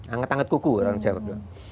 anget anget kuku orang jawa bilang